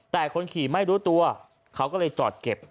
แต่คนขี่ไม่รู้ตัวเขาก็เลยจอดเก็บ